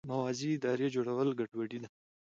موازي ادارې جوړول ګډوډي ده.